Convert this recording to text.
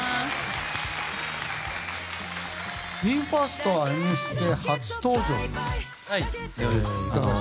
ＢＥ：ＦＩＲＳＴは「Ｍステ」初登場です。